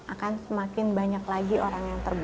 akan semakin banyak lagi orang yang terbaik